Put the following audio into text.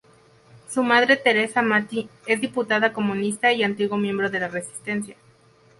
Su madre, Teresa Mattei, es diputada comunista y antiguo miembro de la Resistencia.